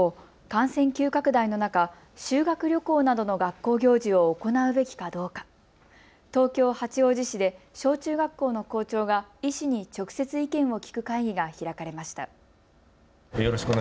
一方、感染急拡大の中、修学旅行などの学校行事を行うべきかどうか東京八王子市で小中学校の校長が医師に直接意見を聞く会議が開かれました。